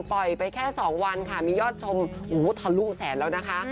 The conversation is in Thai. ปล่อยไปแค่๒วันค่ะมียอดชมทะลู่แสนแล้วนะคะ